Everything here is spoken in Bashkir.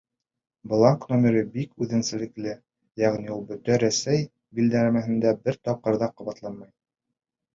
Бланк номеры бик үҙенсәлекле, йәғни ул бөтә Рәсәй биләмәһендә бер тапҡыр ҙа ҡабатланмай.